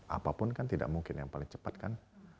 apapun kan tidak mungkin yang paling cepat kan